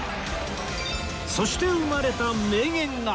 そして生まれた名言が